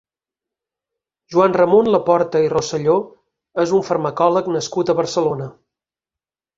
Joan Ramon Laporte i Roselló és un farmacòleg nascut a Barcelona.